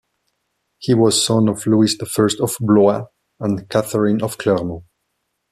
He was son of Louis the First of Blois and Catherine of Clermont.